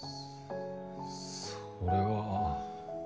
それは。